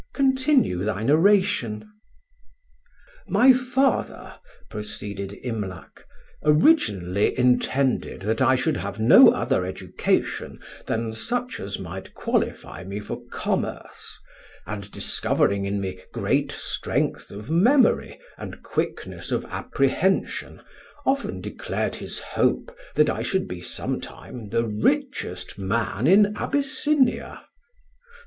Continue thy narration." "My father," proceeded Imlac, "originally intended that I should have no other education than such as might qualify me for commerce; and discovering in me great strength of memory and quickness of apprehension, often declared his hope that I should be some time the richest man in Abyssinia."